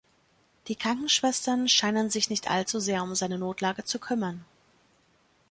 Die Krankenschwestern scheinen sich nicht allzu sehr um seine Notlage zu kümmern.